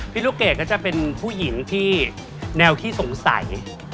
ลูกเกดก็จะเป็นผู้หญิงที่แนวขี้สงสัย